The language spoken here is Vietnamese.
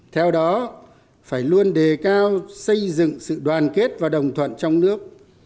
theo đó phải luôn đề cao xây dựng sự đoàn kết và đồng thuận trong nước